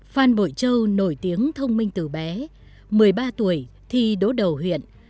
phan bội châu nổi tiếng thông minh từ bé một mươi ba tuổi thi đố đầu huyện